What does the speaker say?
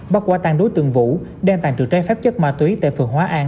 bắt qua tàn đối tượng vũ đang tàn trự trái phép chất ma túy tại phường hóa an